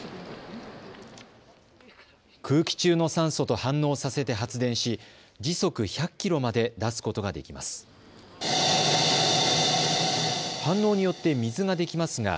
空気中の酸素と反応させて発電し時速１００キロまで出すことができます。